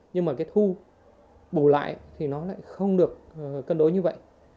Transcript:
nhưng mà cái thu bù lại thì nó lại không được cân đối như vậy